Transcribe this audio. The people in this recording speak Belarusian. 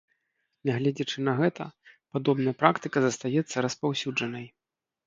Нягледзячы на гэта, падобная практыка застаецца распаўсюджанай.